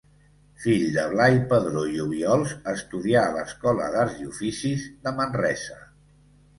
Fill de Blai Padró i Obiols, estudià a l'Escola d'Arts i Oficis de Manresa.